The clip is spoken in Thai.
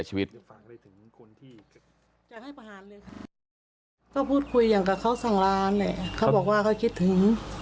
พี่สาวของผู้ตายอายุ๗๒ปี